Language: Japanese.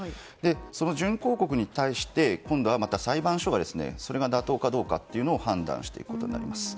その準抗告に対して今度はまた裁判所がそれが妥当かどうかを判断していくことになります。